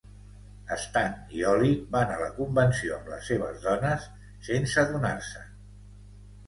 Stan i Ollie van a la convenció amb les seves dones sense adonar-se'n.